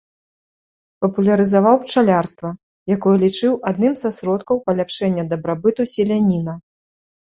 Папулярызаваў пчалярства, якое лічыў адным са сродкаў паляпшэння дабрабыту селяніна.